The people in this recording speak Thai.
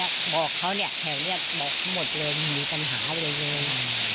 บอกเขาเนี่ยแถวนี้บอกหมดเลยไม่มีปัญหาอะไรเลย